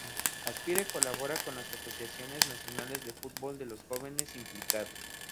Aspire colabora con las asociaciones nacionales de fútbol de los jóvenes implicados.